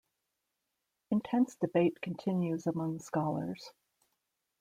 Intense debate continues among scholars.